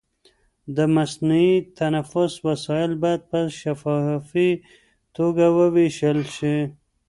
د مصنوعي تنفس وسایل باید په شفافي توګه وویشل شي.